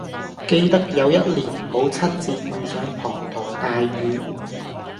記得有一年母親節遇上滂沱大雨